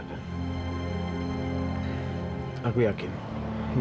kamu seperti raul bapaku seperti edo